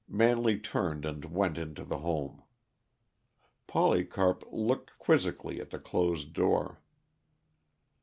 Manley turned and went into the home. Polycarp looked quizzically at the closed door.